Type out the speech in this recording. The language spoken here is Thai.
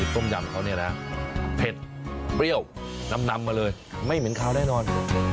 ต้มยำเขาเนี่ยนะเผ็ดเปรี้ยวนำมาเลยไม่เหม็นคาวแน่นอน